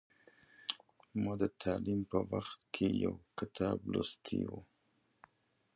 ما د متعلمۍ په وخت کې یو کتاب لوستی و.